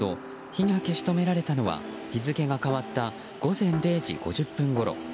火が消し止められたのは日付が変わった午前０時５０分ごろ。